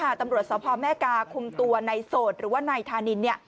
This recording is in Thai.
ตรงนี้ตำรวจสภอมแม่กาคุมตัวนายโสดหรือว่านายธานิน